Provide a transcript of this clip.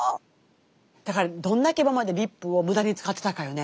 だからどんだけ今までリップを無駄に使ってたかよね。